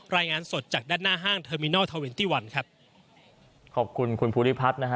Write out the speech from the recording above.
รายงานสดจากด้านหน้าห้างเทอร์มินอลทอวินตี้วันครับขอบคุณคุณภูริพัฒน์นะฮะ